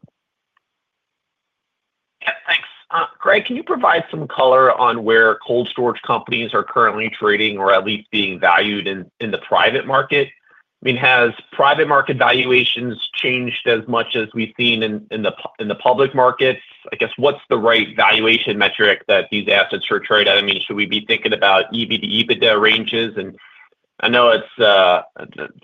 Thanks, Greg. Can you provide some color on where cold storage companies are currently trading or at least being valued in the private market? I mean, has private market valuations changed as much as we've seen in the public market? I guess what's the right valuation metric that these assets are traded? I mean, should we be thinking about EBITDA ranges? I know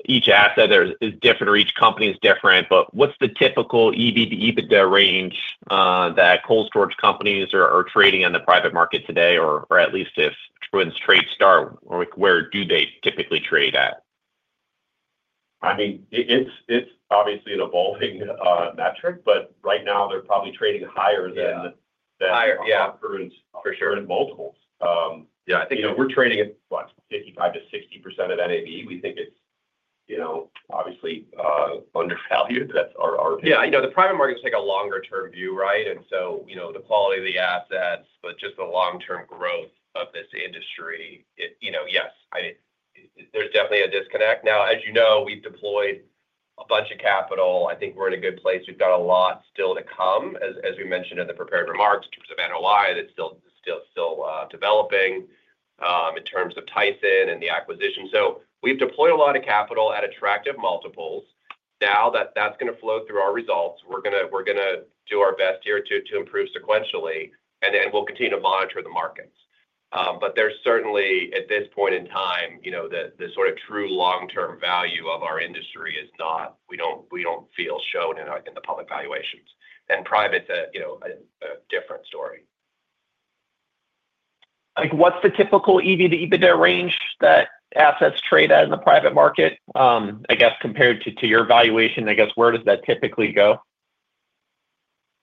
each asset is different or each company is different, but what's the typical EV to EBITDA range that cold storage companies are trading in the private market today or at least if when trades start, where do they typically trade at? It's obviously an evolving metric, but right now they're probably trading higher than. Higher. Yeah, for sure. In multiples. Yeah. You know, we're trading at what, 55%-60% of NAV. We think it's obviously undervalued. That's our. The private markets take a longer term view. Right. The quality of the assets but just the long term growth of this industry, you know. Yes, there's definitely a disconnect now. As you know, we've deployed a bunch of capital. I think we're in a good place. We've got a lot still to come. As we mentioned in the prepared remarks of NOI, that's still developing in terms of Tyson and the acquisition. We've deployed a lot of capital at attractive multiples. Now that's going to flow through our results. We're going to do our best here to improve sequentially and then we'll continue to monitor the markets. There's certainly at this point in time, the sort of true long term value of our industry is not, we don't feel, shown in the public valuations and private's a different story. What's the typical EV to EBITDA range that assets trade at in the private market? I guess compared to your valuation, where does that typically go?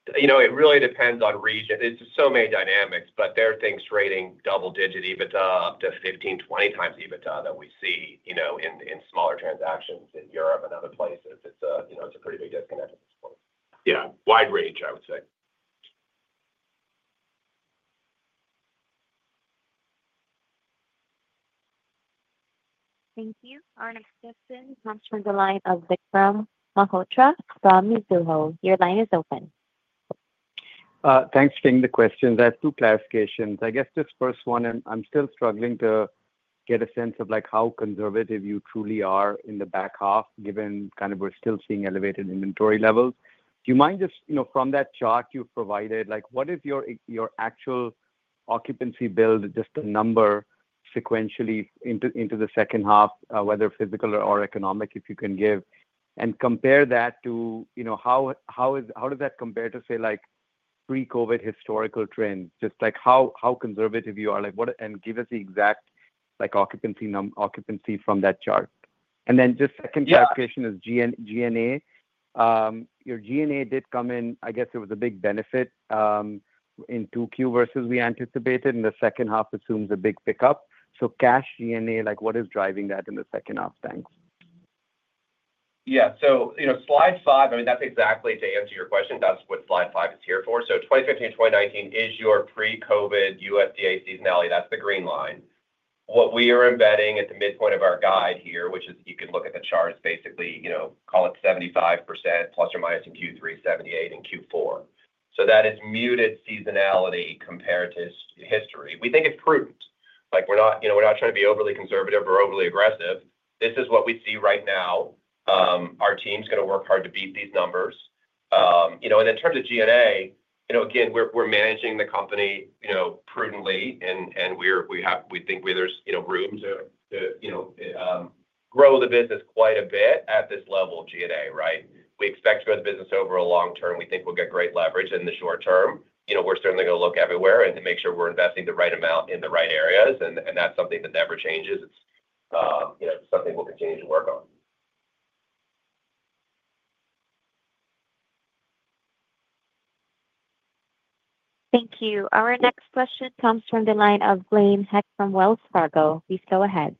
It really depends on region. There's so many dynamics, but there are things trading double digit EBITDA up to 15, 20x EBITDA that we see in smaller transactions in Europe and other places. It's a pretty big, wide range, I would say. Thank you. Our next question comes from the line of Vikram Malhotra from Mizuho. Your line is open. Thanks for the questions. I have two clarifications. I guess this first one, and I'm still struggling to get a sense of like how conservative you truly are in the back half given kind of, we're still seeing elevated inventory level. Do you mind just, you know, from that chart you've provided, like what is your actual occupancy? Build just a number sequentially into the second half, whether physical or economic. If you can give and compare that to, you know, how does that compare to say like Pre-COVID historical trend, just like how conservative you are. Like what? And give us the exact occupancy. Occupancy from that chart. And then just second clarification is G&A. Your G&A did come in, I guess it was a big benefit in 2Q versus we anticipated in the second half assumes a big pickup. So cash G&A, like what is driving that in the second half? Thanks. Yeah, Slide five, I mean that's exactly to answer your question, that's what Slide five is here for. So 2015 to 2019 is your Pre-COVID USDA seasonality. That's the green line. What we are embedding at the midpoint of our guide here, which is you can look at the charts basically, you know, call it 75%± in Q3, 78% in Q4. That is muted seasonality compared to history. We think it's prudence. We're not trying to be overly conservative or overly aggressive. This is what we see right now. Our team's going to work hard to beat these numbers. In terms of G&A, we're managing the company prudently and we have, we think where there's room to grow the business quite a bit at this level. G&A, right. We expect to grow the business over a long term. We think we'll get great leverage in the short term. We're certainly going to look everywhere and make sure we're investing the right amount in the right areas. That's something that never changes. It's something we'll continue to work on. Thank you. Our next question comes from the line of Blaine Heck from Wells Fargo. Please go ahead.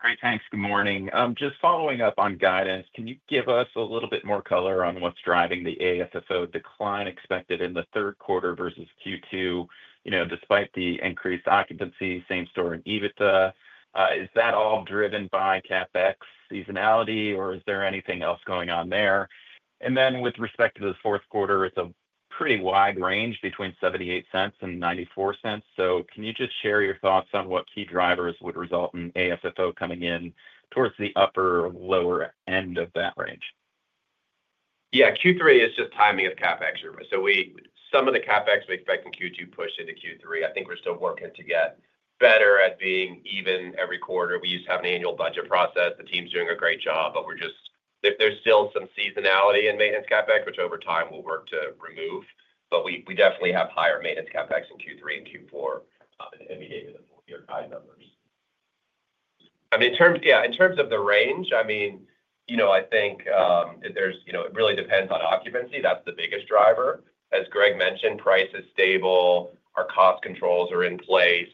Great, thanks. Good morning. Just following up on guidance. Can you give us a little bit more color on what's driving the AFFO decline expected in the third quarter versus Q2, you know, despite the increased occupancy, same store and EBITDA. Is that all driven by CapEx seasonality or is there anything else going on there? With respect to the fourth quarter, it's a pretty wide range between $0.78 and $0.94. Can you just share your thoughts on what key drivers would result in AFFO coming in towards the upper or lower end of that range? Yeah, Q3 is just timing of CapEx. Some of the CapEx we expect in Q2 pushed into Q3. I think we're still working to get better at being even every quarter. We used to have an annual budget process. The team's doing a great job, but there's still some seasonality in maintenance CapEx which over time we'll work to remove. We definitely have higher maintenance CapEx in Q3 and Q4. We gave you the full year high number. In terms of the range, it really depends on occupancy. That's the biggest driver. As Greg mentioned, price is stable, our cost controls are in place.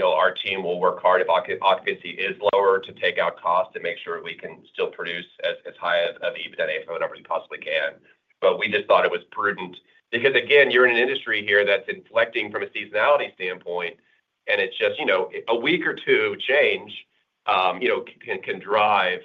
Our team will work hard if occupancy is lower to take out costs and make sure we can still produce as high of EBITDA as we possibly can. We thought it was prudent because you're in an industry here that's inflecting from a seasonality standpoint. A week or two change can drive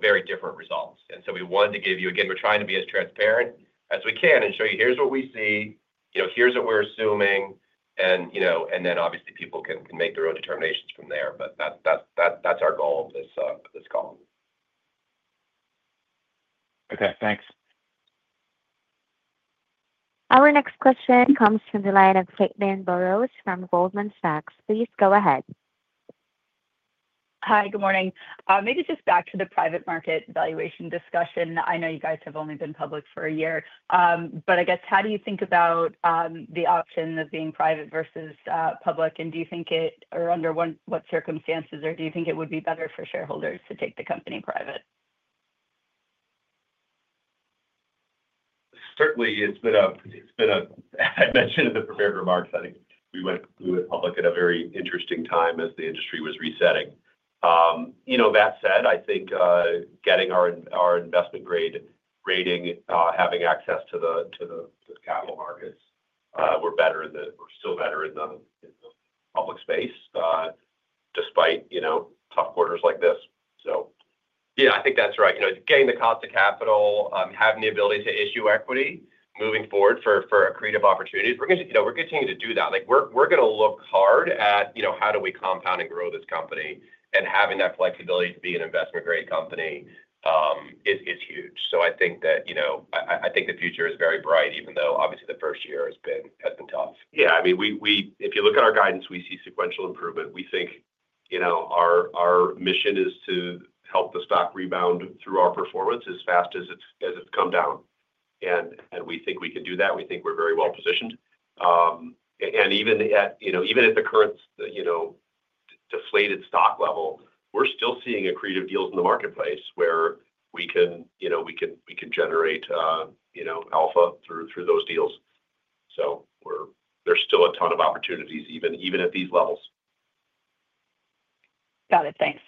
very different results. We wanted to give you that. We're trying to be as transparent as we can and show you, here's what we see, here's what we're assuming, and then obviously people can make their own determinations from there. That's our goal this call. Okay, thanks. Our next question comes from the line of Caitlin Burrows from Goldman Sachs. Please go ahead. Hi, good morning. Maybe just back to the private market valuation discussion. I know you guys have only been public for a year, but I guess how do you think about the option of being private versus public? Do you think it, or under what circumstances, do you think it would be better for shareholders to take the company private? Certainly, I mentioned in the prepared remarks we went public at a very interesting time as the industry was resetting. That said, I think getting our investment grade rating, having access to the capital markets, we're better in the, still better in the public space despite tough quarters like this. I think that's right. Getting the cost of capital, having the ability to issue equity, moving forward for accretive opportunities, we're continuing to do that. We're going to look hard at how do we compound and grow this company, and having that flexibility to be an investment grade company is huge. I think the future is very bright, even though obviously the first year has been tough. If you look at our guidance, we see sequential improvement. We think our mission is to help the stock rebound through our performance as fast as it's come down, and we think we can do that. We think we're very well positioned, and even at the current deflated stock level, we're still seeing accretive deals in the marketplace where we could generate alpha through those deals. There's still a ton of opportunities even at these levels. Got it. Thanks.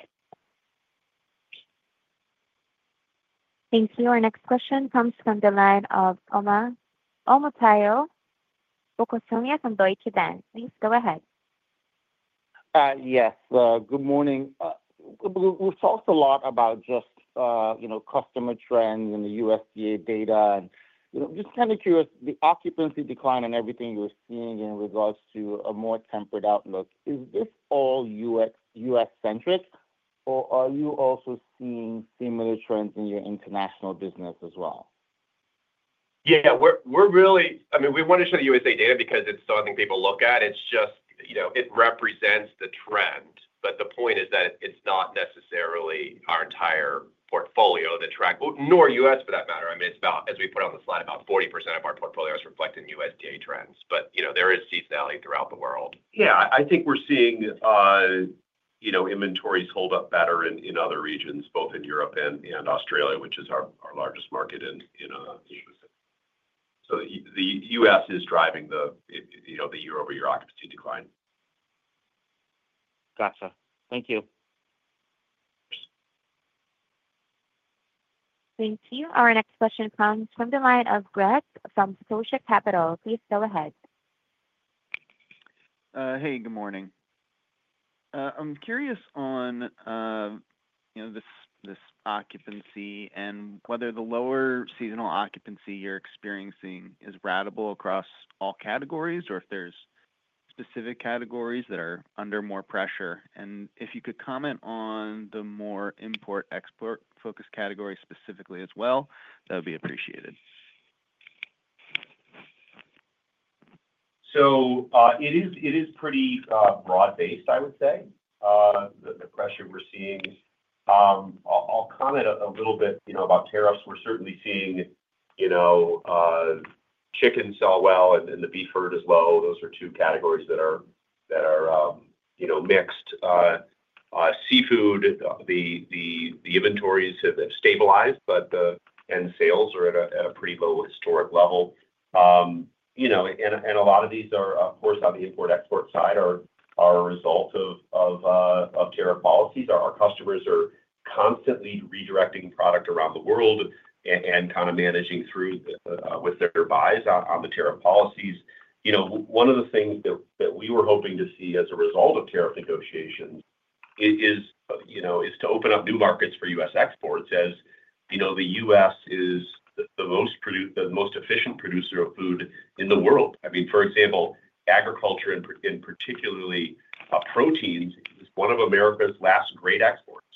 Thank you. Our next question comes from the line of Omotayo Okusanya from Deutsche Bank. Please go ahead. Yes, good morning. We've talked a lot about just, you know, customer trends and the USDA data and, you know, just kind of curious, the occupancy decline and everything you're seeing in regards to a more temperate outlook. Is this all US centric or are you also seeing similar trends in your international business as well? Yeah, we're really, I mean, we want to show the USDA data because it's something people look at. It's just, you know, it represents the trend. The point is that it's not necessarily our entire portfolio that tracks, nor us for that matter. I mean, as we put on the slide, about 40% of our portfolio is reflecting USDA trends. There is seasonality throughout the world. I think we're seeing inventories hold up better in other regions, both in Europe and Australia, which is our largest market. The U.S. is driving the year-over-year occupancy decline. Gotcha. Thank you. Thank you. Our next question comes from the line of Greg from Scotia Capital, please go ahead. Hey, good morning. I'm curious on this occupancy and whether the lower seasonal occupancy you're experiencing is ratable across all categories or if there's specific categories that are under more pressure, and if you could comment on the more import export focused category specifically as well, that would be appreciated. It is pretty broad based, I would say, the pressure we're seeing. I'll comment a little bit about tariffs. We're certainly seeing chickens sell well and the beef herd is low. Those are two categories that are mixed. Seafood inventories have stabilized, and sales are at a low historic level. A lot of these are, of course, on the import export side and are a result of tariff policies. Our customers are constantly redirecting product around the world and managing through with their buys out on the tariff policies. One of the things that we were hoping to see as a result of tariff negotiations is to open up new markets for US exports. As you know, the U.S. is the most efficient producer of food in the world. For example, agriculture and particularly proteins is one of America's last great exports.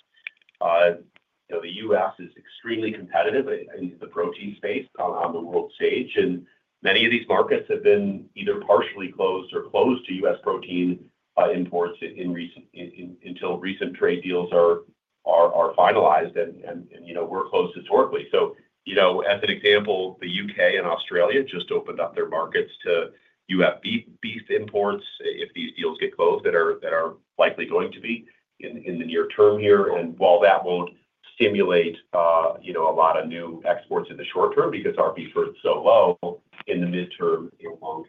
The U.S. is extremely competitive in the protein space on the world stage. Many of these markets have been either partially closed or closed to US protein imports until recent trade deals are finalized and were closed historically. As an example, the UK and Australia just opened up their markets to US beef imports. If these deals get closed, that are likely going to be in the near term here. While that won't stimulate a lot of new exports in the short term, because our beef is rated so low, in the midterm and long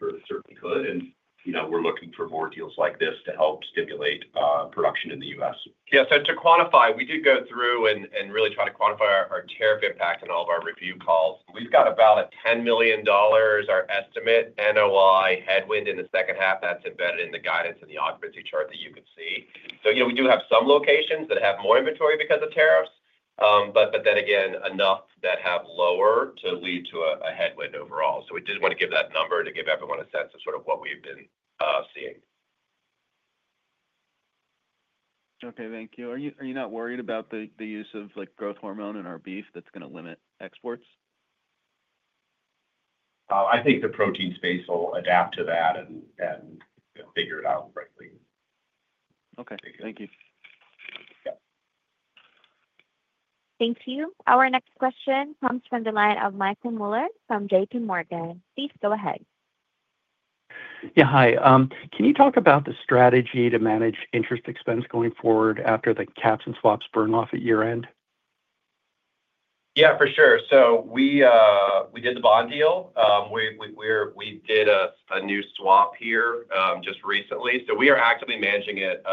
term, we're looking for more deals like this to help stimulate production in the U.S. To quantify, we did go through and really try to quantify our tariff impact in all of our review calls. We've got about $10 million, our estimate NOI headwind in the second half. That's embedded in the guidance of the occupancy chart that you could see. We do have some locations that have more inventory because of tariffs, but then again, enough that have lower to lead to a headwind overall. We did want to give that number to give everyone a sense of what we've been seeing. Okay, thank you. Are you not worried about the use of growth hormone in our beef that's going to limit exports? I think the protein space will adapt to that and figure it out rightly. Okay, thank you. Thank you. Our next question comes from the line of Michael Mueller from JPMorgan. Please go ahead. Yeah, hi. Can you talk about the strategy to manage interest expense going forward after the caps and swaps burn off at year end? Yeah, for sure. We did the bond deal. We did a new swap here just recently, so we are actively managing it.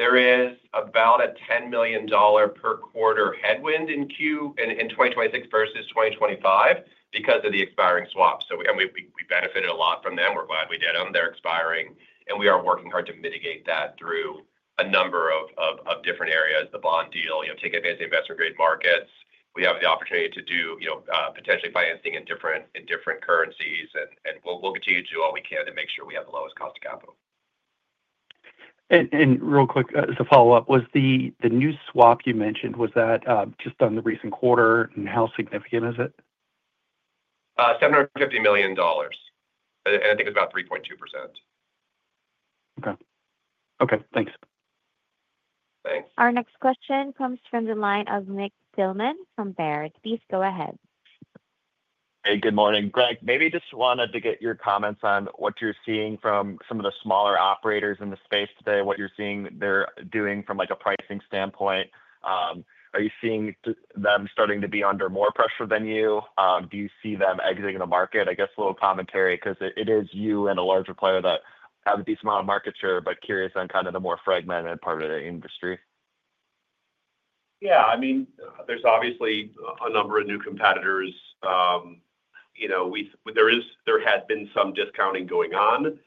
There is about a $10 million per quarter headwind in 2026 versus 2025 because of the expiring swaps. We benefited a lot from them. We're glad we did them. They're expiring and we are working hard to mitigate that through a number of different areas. The bond deal, you know, take advantage of that grade markets. We have the opportunity to do, you know, potentially financing in different currencies and we'll continue to do all we can to make sure we have the lowest cost of capital. Real quick, as a follow up, was the new swap you mentioned, was that just on the recent quarter and how significant is it? $750 million and I think it's about 3.2%. Okay. Okay, thanks. Thanks. Our next question comes from the line of Nick Thillman from Baird. Please go ahead. Hey, good morning, Greg. Maybe just wanted to get your comments on what you're seeing from some of the smaller operators in the space today. What you're seeing they're doing from like a pricing standpoint. Are you seeing them starting to be under more pressure than you? Do you see them exiting the market? I guess a little commentary because it is you and a larger player that have a decent amount of market share, but curious on kind of the more fragmented part of the industry. Yeah, I mean, there's obviously a number of new competitors. There had been some discounting going on,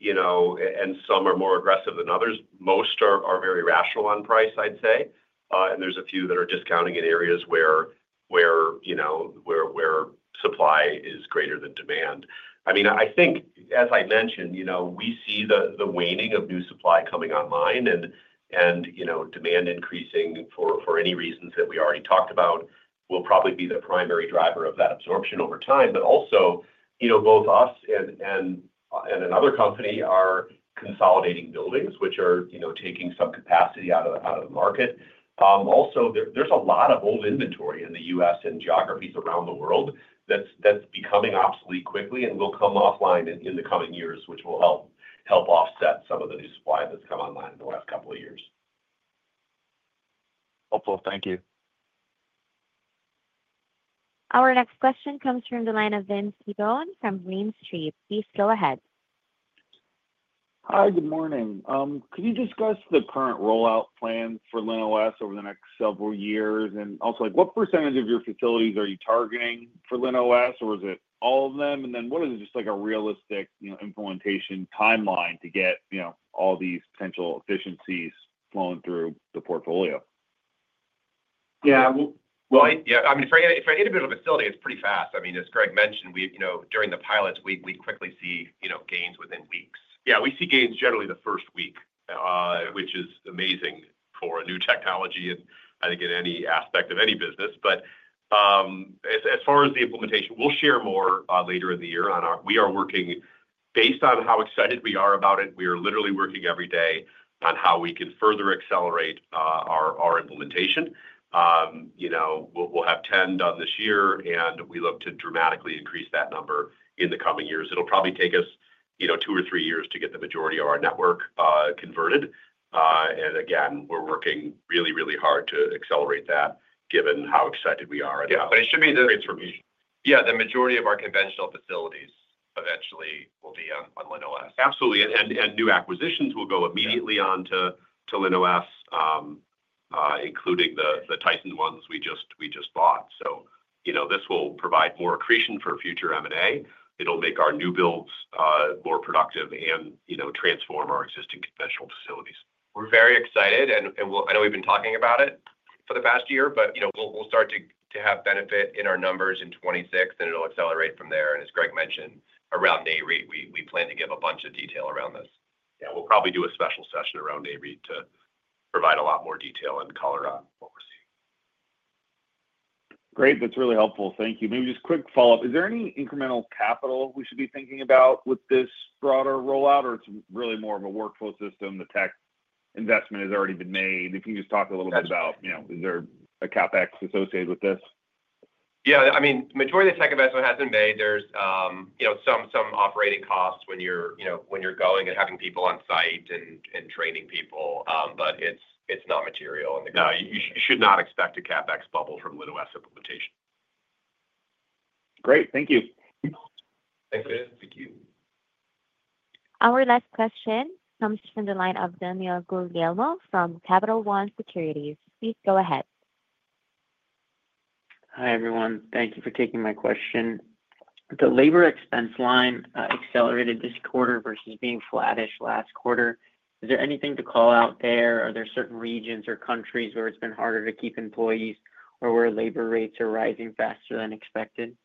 and some are more aggressive than others. Most are very rational on price, I'd say. There's a few that are discounting in areas where supply is greater than demand. I think, as I mentioned, we see the waning of new supply coming online and demand increasing for any reasons that we already talked about will probably be the primary driver of that absorption over time. Also, both us and another company are consolidating buildings, which are taking some capacity out of the market. There's a lot of old inventory in the U.S. and geographies around the world that's becoming obsolete quickly and will come offline in the coming years, which will help offset some of the new supply that's come online in the last couple of years. Hopeful, thank you. Our next question comes from the line of Vince Tibone from Green Street. Please go ahead. Hi, good morning. Could you discuss the current rollout plan for LinOS over the next several years? Also, what percentage of your facilities are you targeting for LinOS? Is it all of them? What is a realistic implementation timeline to get all these potential efficiencies flowing through the portfolio? For individual facilities, it's pretty fast. As Greg mentioned during the pilots, we quickly see gains within weeks. We see gains generally the first week, which is amazing for a new technology in any aspect of any business. As far as the implementation, we'll share more later in the year. We are working based on how excited we are about it. We are literally working every day on how we can further accelerate our implementation. We'll have 10 done this year and we look to dramatically increase that number in the coming years. It'll probably take us two or three years to get the majority of our network converted. We are working really hard to accelerate that, given how excited we are. The majority of our conventional facilities eventually will be on LinOS, absolutely. New acquisitions will go immediately onto LinOS, including the Tyson Foods ones we just bought. This will provide more accretion for future M&A activity. It'll make our new builds more productive and transform our existing conventional facilities. We're very excited and I know we've been talking about it for the past year, but we'll start to have benefit in our numbers in 2026 and it'll accelerate from there. As Greg mentioned around NAREIT, we plan to give a bunch of detail around this. We'll probably do a special session around NAREIT to provide a lot more detail in Colorado. Great, that's really helpful. Thank you. Maybe just a quick follow-up. Is there any incremental capital we should be thinking about with this broader rollout, or is it really more of a workflow system? The tech investment has already been made. If you could just talk a little bit about, is there a CapEx associated with this? The majority of the tech investment has been made. There are some operating costs when you're going and having people on site and training people, but it's not material. You should not expect a CapEx bubble from LinOS implementation. Great, thank you. Thanks for this. Thank you. Our last question comes from the line of Daniel Guglielmo from Capital One Securities. Please go ahead. Hi everyone. Thank you for taking my question. The labor expense line accelerated this quarter versus being flattish last quarter. Is there anything to call out there? Are there certain regions or countries where it's been harder to keep employees or where labor rates are rising faster than expected?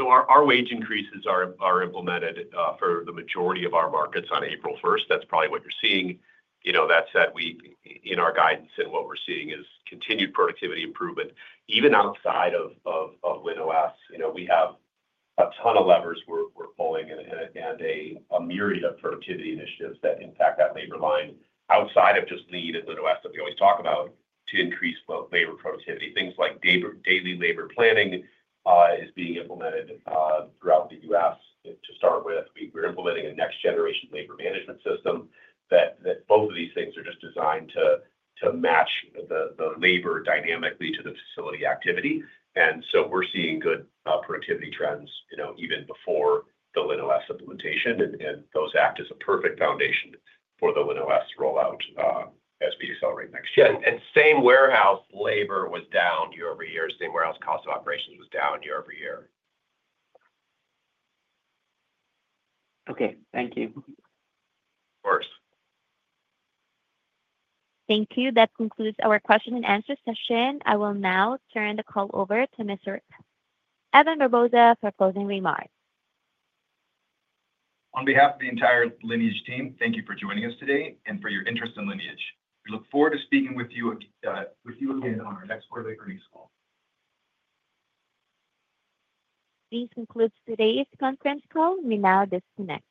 Our wage increases are implemented for the majority of our markets on April 1st. That's probably what you're seeing. That said, in our guidance and what we're seeing is continued productivity improvement even outside of LinOS. We have a ton of levers we're pulling and, again, a myriad of productivity initiatives that impact that labor line outside of just need at the West that we always talk about to increase both labor productivity. Things like daily labor planning is being implemented throughout the U.S. to start with, we're implementing a next generation labor management system. All of these things are just designed to match the labor dynamically to the facility activity. We're seeing good productivity trends, even before the LinOS implementation. Those act as a perfect foundation for the LinOS rollout as we accelerate next year. Same warehouse labor was down year-over-year. Same warehouse cost of operations was down year-over-year. Okay. Thank you. Ofcourse. Thank you. That concludes our question and answer session. I will now turn the call over to Evan Barbosa for closing remarks. On behalf of the entire Lineage team, thank you for joining us today and for your interest in Lineage. We look forward to speaking with you again on our next quarterly. Pretty small. This concludes today's conference call. You may now disconnect.